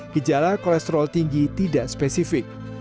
gejala kolesterol tinggi tidak spesifik